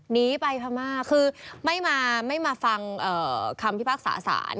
หนีไปภามากคือไม่มาฟังคำพี่พรรคสาสาร